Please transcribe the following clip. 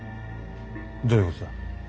どういうことだ。